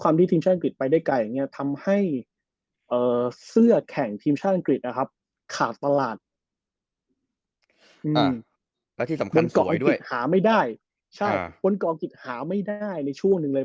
คนกองอังกฤษหาไม่ได้ใช่คนกองอังกฤษหาไม่ได้ในช่วงหนึ่งเลย